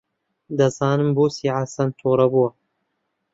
دەزانم بۆچی حەسەن تووڕە بوو.